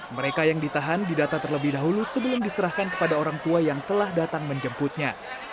mereka yang ditahan didata terlebih dahulu sebelum diserahkan kepada orang tua yang telah datang menjemputnya